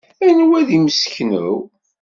Anwa ay d imseknew?